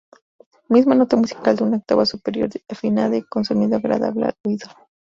Misma nota musical de una octava superior, afinada y con sonido agradable al oído.